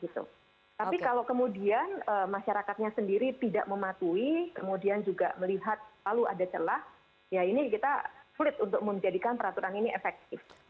tapi kalau kemudian masyarakatnya sendiri tidak mematuhi kemudian juga melihat lalu ada celah ya ini kita sulit untuk menjadikan peraturan ini efektif